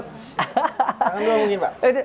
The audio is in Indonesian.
tangan dua mungkin pak